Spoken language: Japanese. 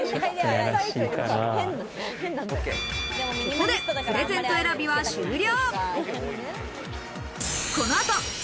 ここでプレゼント選びは終了。